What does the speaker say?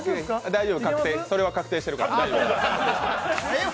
大丈夫、それは確定してるから。